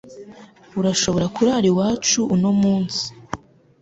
Urashobora kurara iwacu uno munsi